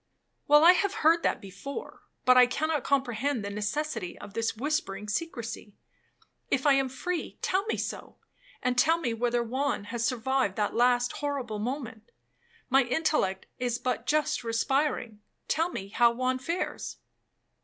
'—'Well, I have heard that before, but I cannot comprehend the necessity of this whispering secrecy. If I am free, tell me so, and tell me whether Juan has survived that last horrible moment,—my intellect is but just respiring. Tell me how Juan fares.'